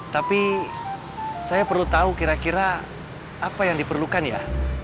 tapi saya perlu tahu kira kira apa yang diperlukan ya